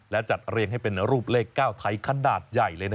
และจัดเรียงให้เป็นรูปเลข๙ไทยขนาดใหญ่เลย